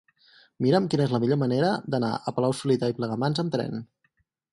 Mira'm quina és la millor manera d'anar a Palau-solità i Plegamans amb tren.